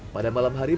pada malam hari ini